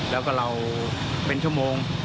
แล้วก็เราเป็นชั่วโมง